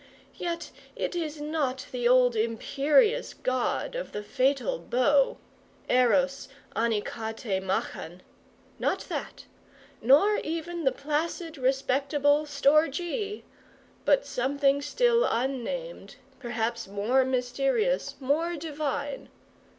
Yet it is not the old imperious god of the fatal bow ἔρως ἀνίκατε μάχαν not that nor even the placid respectable στοργή but something still unnamed, perhaps more mysterious, more divine!